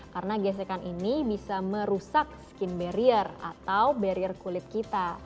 karena gesekan ini bisa merusak skin barrier atau barrier kulit kita